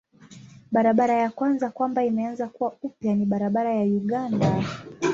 Barabara ya kwanza kwamba imeanza kuwa upya ni barabara ya Uganda.